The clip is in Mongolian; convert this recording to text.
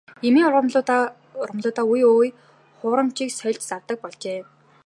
Эмийн ургамалдаа үе үе хуурамчийг хольж зардаг болжээ.